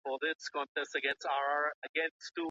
که کرایه ثابته وي، نو د چلوونکي او مسافر شخړه نه کیږي.